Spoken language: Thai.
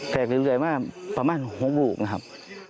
แปลกหนึ่งใหญ่มากประมาณ๖บุกนะครับ